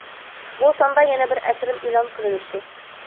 بۇ ساندا يەنە بىر ئەسىرىم ئېلان قىلىنىپتۇ.